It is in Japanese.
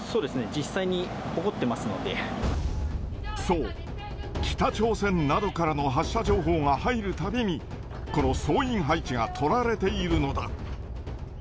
実際に起こってそう、北朝鮮などからの発射情報が入るたびに、この総員配置が取られているのだ。